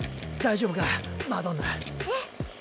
大丈夫かマドンナ。